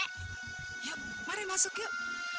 yuk mari masuk yuk